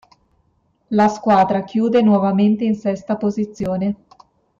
La squadra chiude nuovamente in sesta posizione.